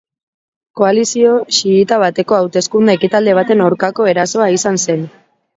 Koalizio xiita bateko hauteskunde-ekitaldi baten aurkako erasoa izan zen.